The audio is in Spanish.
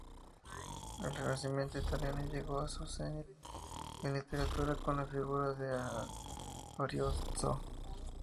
El Renacimiento italiano llegó a su cenit en literatura con la figura de Ariosto.